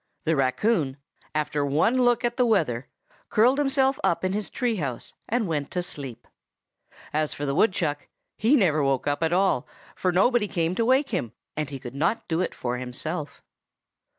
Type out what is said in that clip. The raccoon, after one look at the weather, curled himself up in his tree house and went to sleep. As for the woodchuck, he never woke up at all, for nobody came to wake him, and he could not do it for himself.